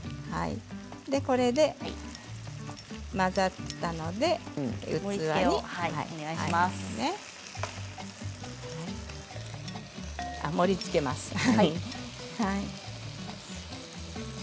これで混ざったので器に盛りつけますね。